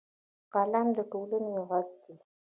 قلم د ټولنې غږ دی